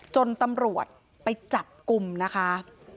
จนตำรวจไปจับกลุ่มนะคะ